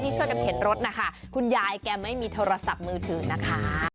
ช่วยกันเข็นรถนะคะคุณยายแกไม่มีโทรศัพท์มือถือนะคะ